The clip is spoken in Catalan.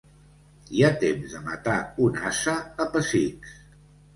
Hi ha temps de matar un ase a pessics.